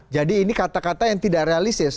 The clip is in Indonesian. jadi ini kata kata yang tidak realisis